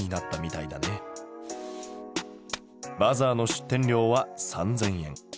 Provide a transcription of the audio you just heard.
バザーの出店料は３，０００円。